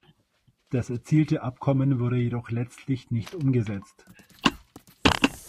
Das erzielte Abkommen wurde jedoch letztlich nicht umgesetzt.